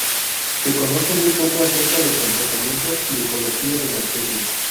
Se conoce muy poco acerca del comportamiento y ecología de la especie.